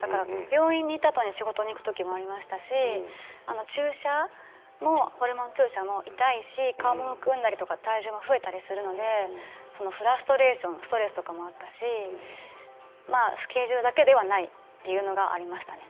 病院に行ったあとに仕事に行くこともありましたし注射も、ホルモン注射も痛いし顔がむくんだり体重が増えたりするのでフラストレーションストレスもあったりしたしスケジュールだけではないというのありましたね